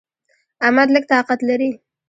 احمد لږ طاقت لري.